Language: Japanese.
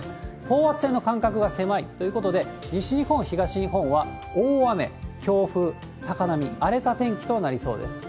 等圧線の間隔が狭いということで、西日本、東日本は大雨、強風、高波、荒れた天気となりそうです。